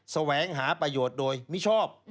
แสวงหาประโยชน์โดยมิชอบ